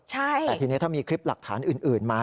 แต่ทีนี้ถ้ามีคลิปหลักฐานอื่นมา